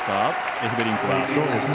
エフベリンクは。